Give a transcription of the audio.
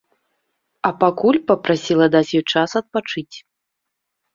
А пакуль папрасіла даць ёй час адпачыць.